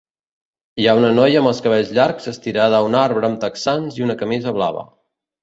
Hi ha una noia amb els cabells llargs estirada a un arbre amb texans i una camisa blava.